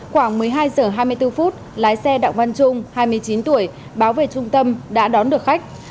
khoảng một mươi hai h hai mươi bốn phút lái xe đặng văn trung hai mươi chín tuổi báo về trung tâm đã đón được khách